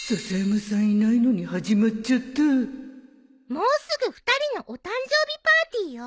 もうすぐ２人のお誕生日パーティーよ。